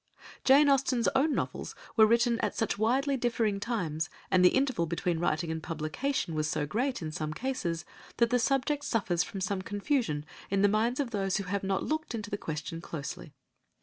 Jane Austen's own novels were written at such widely differing times, and the interval between writing and publication was so great in some cases, that the subject suffers from some confusion in the minds of those who have not looked into the question closely.